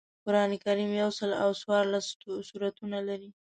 قران کریم یوسل او څوارلس سورتونه لري